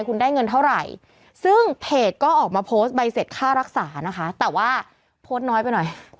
คุณได้เงินเท่าไหร่ซึ่งเพจก็ออกมาโพสต์ใบเสร็จค่ารักษานะคะแต่ว่าโพสต์น้อยไปหน่อย